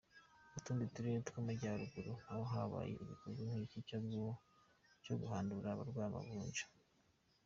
Mu tundi turere tw’amajyaruguru naho habaye igikorwa nk’iki cyo guhandura abarwaye amavunja.